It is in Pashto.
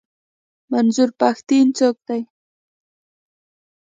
منظور پښتين څوک دی؟